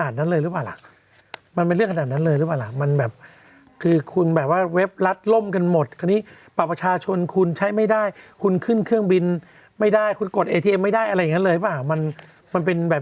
ถูกแล้วนี่คือวิธีการคือมันเป็นเรื่องระดับชาติหรืออย่างล่ะ